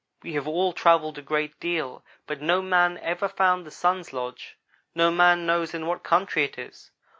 "We have all travelled a great deal but no man ever found the Sun's lodge. No man knows in what country it is.